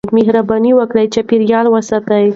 مهرباني وکړئ چاپېريال وساتئ.